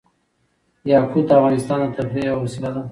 یاقوت د افغانانو د تفریح یوه وسیله ده.